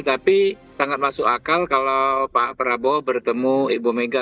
tapi sangat masuk akal kalau pak prabowo bertemu ibu mega